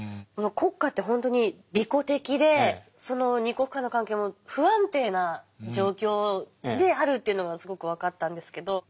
国家って本当に利己的でその二国間の関係も不安定な状況であるというのがすごく分かったんですけど。